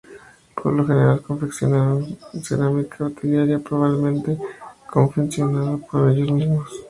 Por lo general confeccionaron cerámica utilitaria, probablemente confeccionado por ellos mismos.